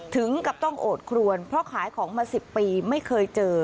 ถึงกับต้องโอดครวนเพราะขายของมา๑๐ปีไม่เคยเจอ